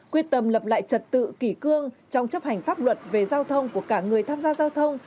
quyết tâm lập lại trật tự kỷ cương trong chấp hành pháp luật về giao thông của cả người tham gia giao thông